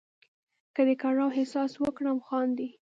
که د کړاو احساس وکړم خاندې.